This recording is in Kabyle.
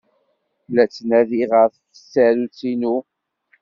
La ttnadiɣ ɣef tsarut-inu.